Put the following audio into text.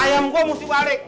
ayam gue mesti balik